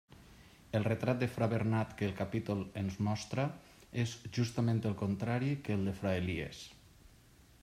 El retrat de fra Bernat que el capítol ens mostra és justament el contrari que el de fra Elies.